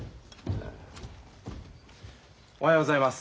おはようございます。